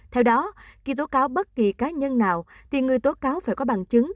theo đó khi tố cáo bất kỳ cá nhân nào thì người tố cáo phải có bằng chứng